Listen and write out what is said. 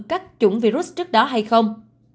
các chủng virus trước đó hay không